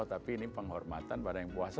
tapi ini penghormatan pada yang puasa